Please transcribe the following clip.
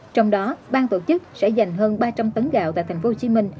trong đó bang tổ chức sẽ dành hơn ba trăm linh tấn gạo tại tp hcm